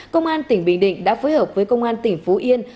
công an tỉnh bình định đã phối hợp với công an tỉnh phú yên